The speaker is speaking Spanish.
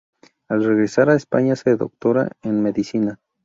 Al regresar a España se doctora en Medicina.